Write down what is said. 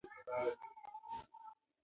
پي پي پي ناروغي په ځینو مېرمنو کې شدید وي.